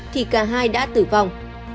thì cả hai đã tử vong